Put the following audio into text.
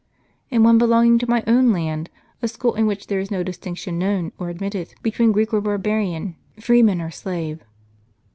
" In one belonging to my own land ; a school in which there is no distinction known, or admitted, between Greek or barbarian, freeman or slave."